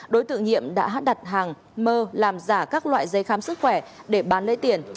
đối tượng nhiệm đã đặt hàng mơ làm giả các loại giấy khám sức khỏe để bán lấy tiền